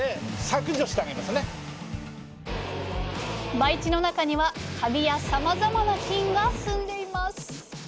培地の中にはカビやさまざまな菌が住んでいます。